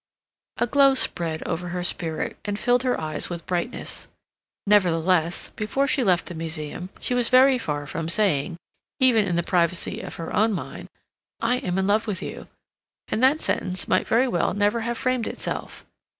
A glow spread over her spirit, and filled her eyes with brightness. Nevertheless, before she left the Museum she was very far from saying, even in the privacy of her own mind, "I am in love with you," and that sentence might very well never have framed itself.